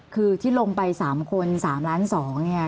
คือที่ลงไป๓คน๓ล้าน๒เนี่ย